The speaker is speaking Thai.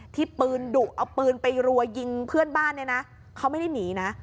ที่ปืนดุเอาปืนไปรัวยิงเพื่อนบ้านเนี่ยนะเขาไม่ได้หนีนะ